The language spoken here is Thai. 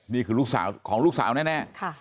นี่คือของลูกสาวแน่